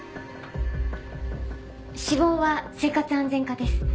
志望は生活安全課です。